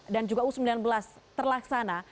dan juga u sembilan belas terlaksana